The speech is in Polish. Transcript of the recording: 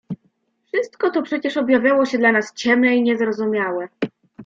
"Wszystko to przecież objawiało się dla nas ciemne i niezrozumiałe."